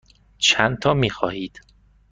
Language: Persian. چندتا می خواهید؟